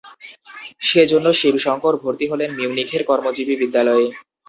সে জন্য শিব শংকর ভর্তি হলেন মিউনিখের কর্মজীবী বিদ্যালয়ে।